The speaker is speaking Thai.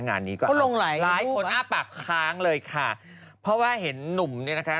งานนี้ก็หลายคนอ้าปากค้างเลยค่ะเพราะว่าเห็นหนุ่มเนี่ยนะคะ